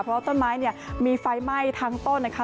เพราะว่าต้นไม้เนี่ยมีไฟไหม้ทั้งต้นนะคะ